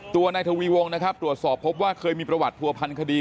ตัวนายทวีวงนะครับตรวจสอบพบว่าเคยมีประวัติผัวพันคดี